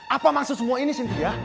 apa maksud semua ini cynthia